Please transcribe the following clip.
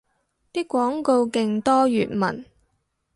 啲廣告勁多粵文